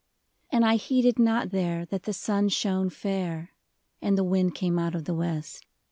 And I heeded not there that the sun shone fair. And the wind came out of the west.